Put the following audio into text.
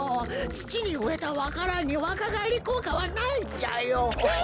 つちにうえたわか蘭にわかがえりこうかはないんじゃよ。え！？